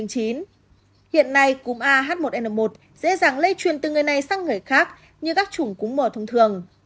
hiện nay cúm ah một n một dễ dàng lây truyền từ người này sang người khác như các chủng cúm mò thông thường